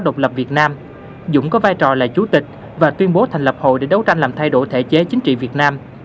độc lập việt nam dũng có vai trò là chủ tịch và tuyên bố thành lập hội để đấu tranh làm thay đổi thể chế chính trị việt nam